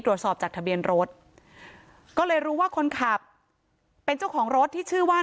ตรวจสอบจากทะเบียนรถก็เลยรู้ว่าคนขับเป็นเจ้าของรถที่ชื่อว่า